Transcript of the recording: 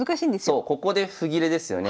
そうここで歩切れですよね。